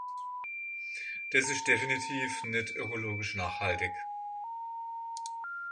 Das ist definitiv nicht ökologisch nachhaltig.